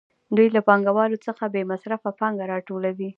دوی له پانګوالو څخه بې مصرفه پانګه راټولوي